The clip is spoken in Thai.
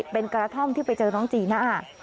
เป็นกระท่อมที่ไปเจอน้องจีน่า